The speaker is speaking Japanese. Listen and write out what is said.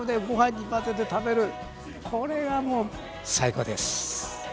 ご飯に混ぜて食べるこれがもう最高です！